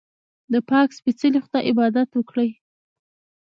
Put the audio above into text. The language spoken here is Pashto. د پاک سپېڅلي خدای عبادت وکړئ.